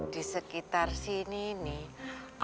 di sekitar sini nih